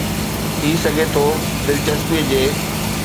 ٿي سگهي ٿو دلچسپي جي.